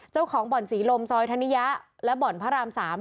เจ้าของบ่อนศรีลมซอยธนิยะและบ่อนพระราม๓